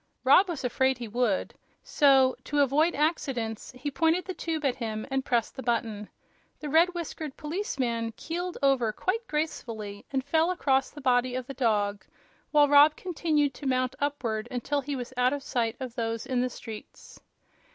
Rob was afraid he would; so, to avoid accidents, he pointed the tube at him and pressed the button. The red whiskered policeman keeled over quite gracefully and fell across the body of the dog, while Rob continued to mount upward until he was out of sight of those in the streets.